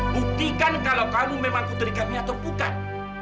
buktikan kalau kamu memang putri kami atau bukan